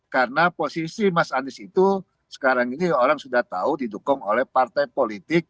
karena posisi mas anies itu sekarang ini orang sudah tahu didukung oleh partai politik